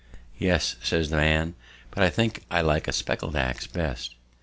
"Yes," says the man, "but I think I like a speckled ax best."